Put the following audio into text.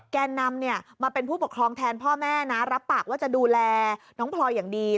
แกนนำเนี่ยมาเป็นผู้ปกครองแทนพ่อแม่นะรับปากว่าจะดูแลน้องพลอยอย่างดี